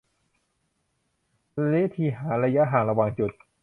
วิธีหาระยะห่างระหว่างจุด